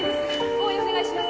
応援お願いします